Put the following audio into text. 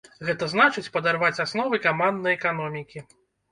Гэта значыць, падарваць асновы каманднай эканомікі.